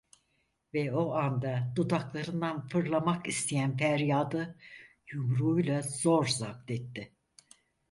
Ve o anda dudaklarından fırlamak isteyen feryadı yumruğuyla zor zapt etti.